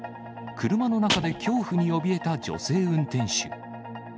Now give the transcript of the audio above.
車の中で恐怖におびえた女性運転手。